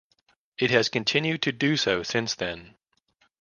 It has continued to do so since then.